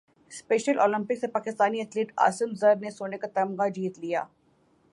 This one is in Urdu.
اسپیشل اولمپکس میں پاکستانی ایتھلیٹ عاصم زر نے سونے کا تمغہ جیت لیا